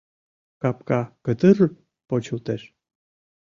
Капка кытыр-р почылтеш.